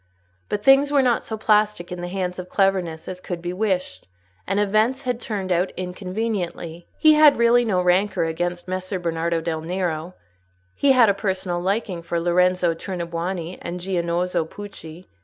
But things were not so plastic in the hands of cleverness as could be wished, and events had turned out inconveniently. He had really no rancour against Messer Bernardo del Nero: he had a personal liking for Lorenzo Tornabuoni and Giannozzo Pucci.